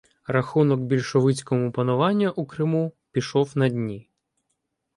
Рахунок більшовицькому пануванню у Криму пішов на дні.